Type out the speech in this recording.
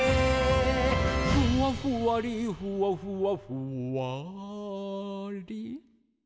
「ふわふわりふわふわふわり」